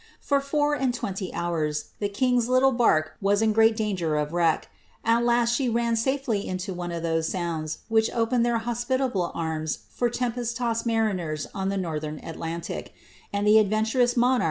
For four and twenty hours the king's little bark was in great danger of wreck. At last, she ran safely into one of those sounds which open their hospitable arms for tempest tossed mariners on the northern Atlantic, and the adventurous monarch ' Spottiswoode 377 8.